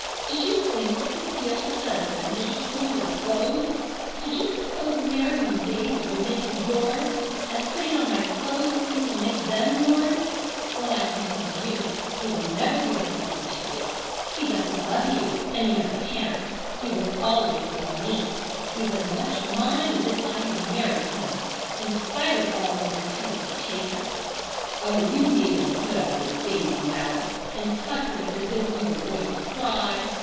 Did you think you could steal a husband as you stole your clothes? Did you suppose marrying David would make him yours, as putting on my clothes seemed to make them yours? Well I can tell you he will never be a husband to you. He doesn't love you and he never can. He will always love me. He's as much mine as if I had married him, in spite of all your attempts to take him. Oh, you needn't put up your baby mouth and pucker it as if you were going to cry.